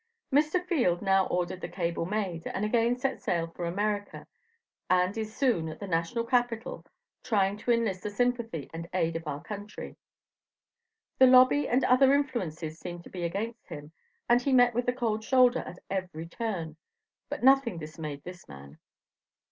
Mr. Field now ordered the cable made, and again set sail for America, and is soon at the national capitol trying to enlist the sympathy and aid of our country. The lobby and other influences seemed to be against him, and he met with the cold shoulder at every turn, but nothing dismayed this man.